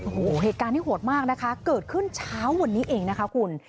โอ้โหเหตุการณ์นี้โหดมากนะคะเกิดขึ้นเช้าวันนี้เองนะคะคุณ